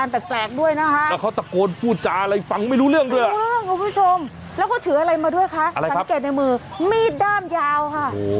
โอ้โฮแล้วเค้าตะโกนพูดจาอะไรฟังไม่รู้เรื่องด้วยอะแล้วเค้าถืออะไรมาด้วยคะสังเกตในมือมีดด้ามยาวค่ะ